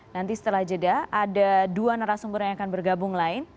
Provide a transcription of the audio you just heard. nanti setelah jeda ada dua narasumber yang akan bergabung lain